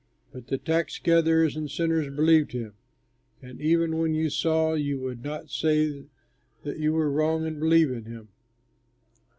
But the tax gatherers and sinners believed him; and even when you saw, you would not say that you were wrong and believe in him.